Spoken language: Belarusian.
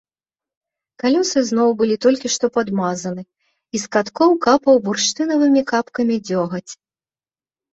Калёсы зноў былі толькі што падмазаны, і з каткоў капаў бурштынавымі капкамі дзёгаць.